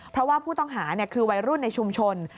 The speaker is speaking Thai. เพราะว่าผู้ต้องหาคือวัยรุ่นในชุมชน